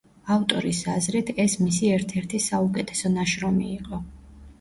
ავტორის აზრით, ეს მისი ერთ-ერთი საუკეთესო ნაშრომი იყო.